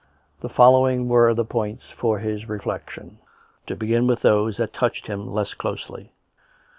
The following were the points for his reflection — to begin with those that touched him less closely.